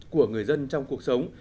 của người dân trong cuộc sống